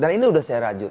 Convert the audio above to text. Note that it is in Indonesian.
dan ini udah saya rajut